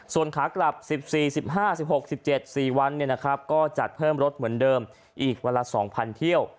ส่วนขากลับ๑๔๑๕๑๖๑๗๔วันก็จัดเพิ่มรถเหมือนเดิมอีกวันละ๒๐๐เที่ยว